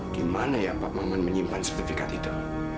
gimana ya pak maman menyimpan sertifikat itu